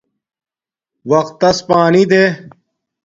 وقت تس پانی دے